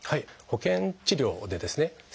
保険治療でですね